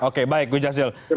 oke baik gus jasil